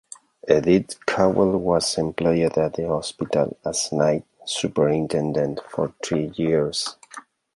Edith Cavell was employed at the hospital as night superintendent for three years.